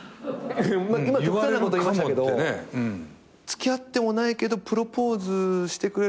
今極端なこと言いましたけど付き合ってもないけどプロポーズしてくれる女性がいたら。